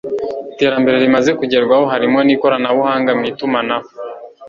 iterambere rimaze kugerwaho harimo n'ikoranabuhanga mu itumanaho